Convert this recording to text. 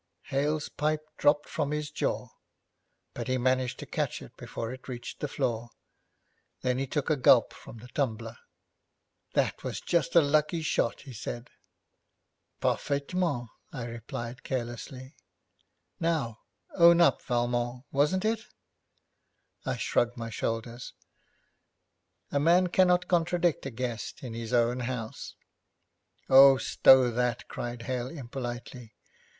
Hale's pipe dropped from his jaw, but he managed to catch it before it reached the floor. Then he took a gulp from the tumbler. 'That was just a lucky shot,' he said. 'Parfaitement,' I replied carelessly. 'Now, own up, Valmont, wasn't it?' I shrugged my shoulders. A man cannot contradict a guest in his own house. 'Oh, stow that!' cried Hale impolitely.